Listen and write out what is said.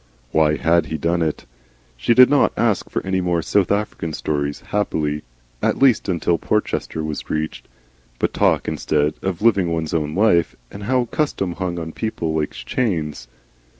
Why HAD he done it? She did not ask for any more South African stories, happily at least until Porchester was reached but talked instead of Living One's Own Life, and how custom hung on people like chains.